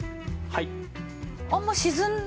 はい。